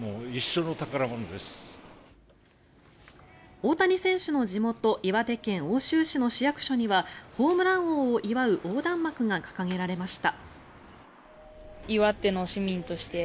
大谷選手の地元岩手県奥州市の市役所にはホームラン王を祝う横断幕が掲げられました。